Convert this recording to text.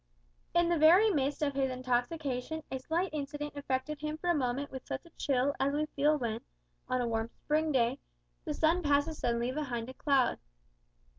In the very midst of his intoxication, a slight incident affected him for a moment with such a chill as we feel when, on a warm spring day, the sun passes suddenly behind a cloud.